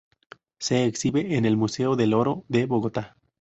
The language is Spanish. Se exhibe en el Museo del Oro de Bogotá.